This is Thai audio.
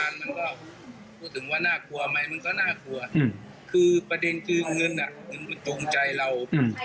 บูถึงว่าน่ากลัวไหมมันก็นะผมกูไปเด้นคืนเงินจุงใจเรา